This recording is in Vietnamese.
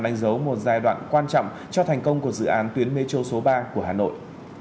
đánh dấu một giai đoạn quan trọng cho thành công của dự án tuyến metro số ba của hà nội